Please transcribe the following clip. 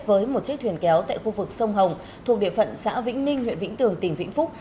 với một chiếc thuyền kéo tại khu vực sông hồng thuộc địa phận xã vĩnh ninh huyện vĩnh tường tỉnh vĩnh phúc